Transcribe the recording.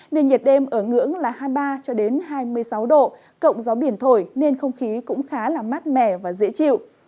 nên nhiệt đêm ở ngưỡng là hai mươi ba hai mươi sáu độ cộng gió biển thổi nên không khí cũng khá mát mẻ và dễ chịu